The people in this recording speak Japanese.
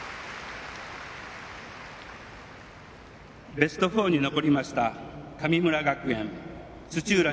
ベスト４に残りました神村学園土浦